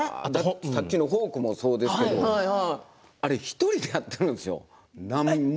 さっきのフォークもそうですけどあれ１人でやってるんですよ